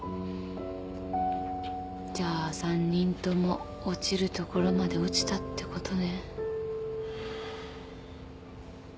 じゃあ３人とも落ちるところまで落ちたってことね。